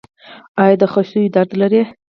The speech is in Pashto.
ایا د خصیو درد لرئ؟